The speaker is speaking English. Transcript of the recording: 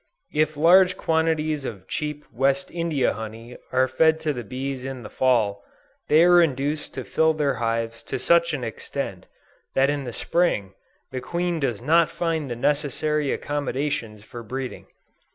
If large quantities of cheap West India honey are fed to the bees in the Fall, they are induced to fill their hives to such an extent, that in the Spring, the queen does not find the necessary accommodations for breeding.